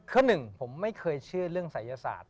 ข้อหนึ่งผมไม่เคยเชื่อเรื่องศัยศาสตร์